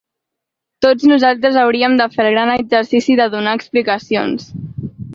Tots nosaltres hauríem de fer el gran exercici de donar explicacions.